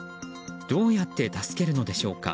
どうやって助けるのでしょうか。